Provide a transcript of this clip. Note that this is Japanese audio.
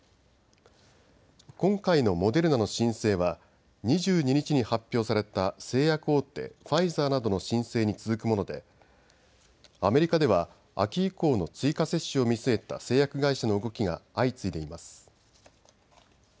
今回のモデルナの申請は２２日に発表された製薬大手ファイザーなどの申請に続くものでアメリカでは秋以降の追加接種を見据えた製薬会社の動きが相次いでいます。